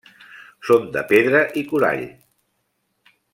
Són de pedra i coral.